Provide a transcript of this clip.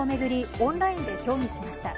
オンラインで協議しました。